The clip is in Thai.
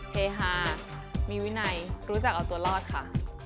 เฮฮามีวินัยรู้จักเอาตัวรอดค่ะ